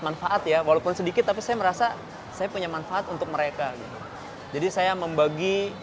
manfaat ya walaupun sedikit tapi saya merasa saya punya manfaat untuk mereka jadi saya membagi